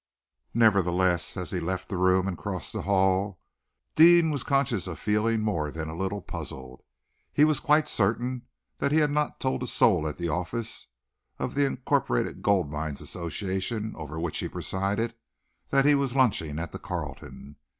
Nevertheless, as he left the room and crossed the hall Deane was conscious of feeling more than a little puzzled. He was quite certain that he had not told a soul at the office of the Incorporated Gold Mines Association, over which he presided, that he was lunching at the Carlton.